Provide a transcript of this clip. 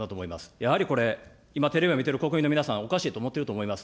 やはりこれ、今テレビを見てる国民の皆さん、おかしいと思ってると思います。